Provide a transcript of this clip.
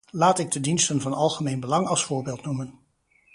Laat ik de diensten van algemeen belang als voorbeeld noemen.